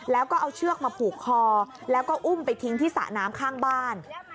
แล้วก็เอาเชือกมาผูกคอแล้วก็อุ้มไปทิ้งที่สระน้ำข้างบ้าน